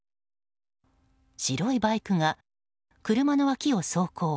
白いバイクが車の脇を走行。